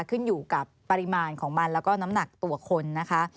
ขึ้นอยู่กับปริมาณของมันแล้วก็น้ำหนักตัวคนนะคะ